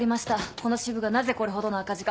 この支部がなぜこれほどの赤字か。